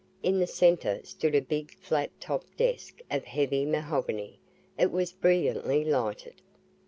In the center stood a big flat topped desk of heavy mahogany. It was brilliantly lighted.